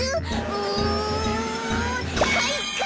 うんかいか！